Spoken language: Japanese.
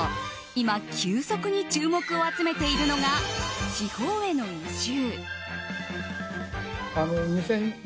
今、急速に注目を集めているのが地方への移住。